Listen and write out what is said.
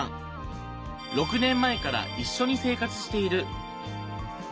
６年前から一緒に生活している。